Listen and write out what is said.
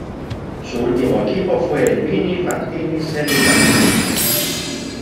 Su último equipo fue el Vini Fantini-Selle Italia.